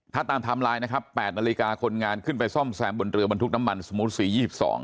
ถ้าตามทำลายนะครับ๘นาฬิกาคนงานขึ้นไปซ่อมแซมบนเรือบรรทุกน้ำมันสมุทร๔๒๒